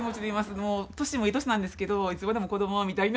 もう年もいい年なんですけどいつまでも子どもみたいな。